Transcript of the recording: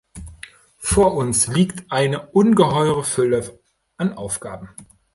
Vor uns liegt eine ungeheure Fülle an Aufgaben.